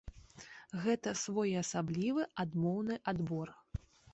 Гэта своеасаблівы адмоўны адбор.